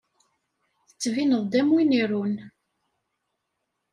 Tettbineḍ-d am win irun.